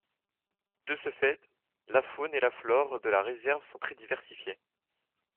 De ce fait, la faune et la flore de la réserve sont très diversifiées.